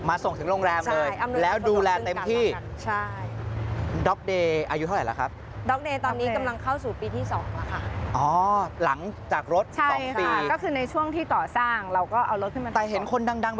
มาส่งถึงโรงแรมเลยแล้วดูแลเต็มที่ใช่อำนวยความสนุกขึ้นกันแล้วกัน